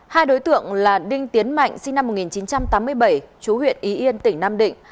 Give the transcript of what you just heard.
hai đối tượng là đinh tiến mạnh sinh năm một nghìn chín trăm tám mươi bảy chú huyện ý yên tỉnh nam định